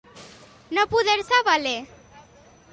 No poder-se valer.